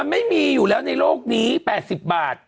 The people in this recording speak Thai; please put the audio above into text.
ไม่มีอยู่แล้วในโลกนี้๘๐บาท